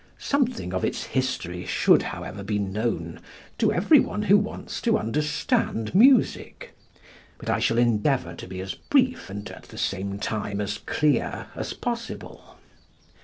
Something of its history should, however, be known to every one who wants to understand music, but I shall endeavor to be as brief and at the same time as clear as possible.